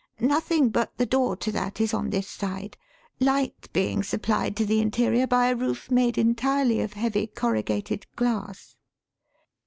Nothing but the door to that is on this side, light being supplied to the interior by a roof made entirely of heavy corrugated glass."